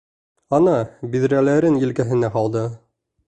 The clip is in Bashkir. Ана биҙрәләрен елкәһенә һалды.